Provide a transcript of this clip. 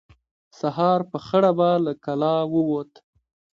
سهار په خړه به له کلا ووت.